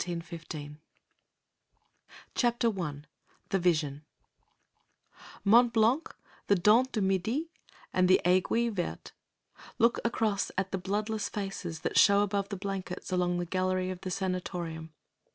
The Dawn UNDER FIRE I The Vision MONT BLANC, the Dent du Midi, and the Aiguille Verte look across at the bloodless faces that show above the blankets along the gallery of the sanatorium.